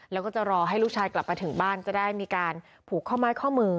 แล้วก็จะรอให้ลูกชายกลับมาถึงบ้านจะได้มีการผูกข้อไม้ข้อมือ